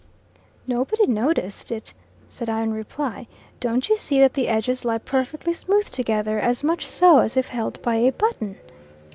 "Nobody noticed it," said I in reply. "Don't you see that the edges lie perfectly smooth together, as much so as if held by a button?"